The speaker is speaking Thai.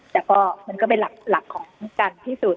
แต่ก็มันก็เป็นหลักของนิลการณ์ที่สุด